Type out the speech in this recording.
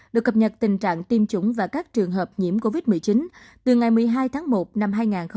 được cập nhật tình trạng tiêm chủng và các trường hợp nhiễm covid một mươi chín từ ngày một mươi hai tháng một năm hai nghìn hai mươi